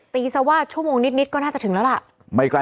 ซะว่าชั่วโมงนิดก็น่าจะถึงแล้วล่ะ